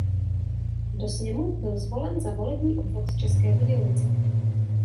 Do sněmu byl zvolen za volební obvod České Budějovice.